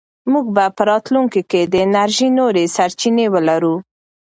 موږ به په راتلونکي کې د انرژۍ نورې سرچینې ولرو.